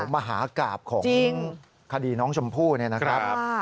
มหากราบของคดีน้องชมพู่เนี่ยนะครับ